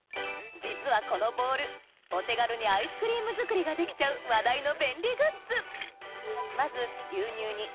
実はこのボールお手軽にアイスクリーム作りができちゃう話題の便利グッズ